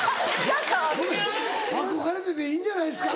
ごめん憧れてでいいんじゃないですか？